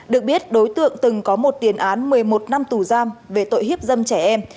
được biết đối tượng từng có một tiền án một mươi một năm tù giam về tội hiếp dâm trẻ em